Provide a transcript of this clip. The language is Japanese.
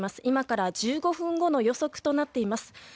今から１５分後の予測となっています。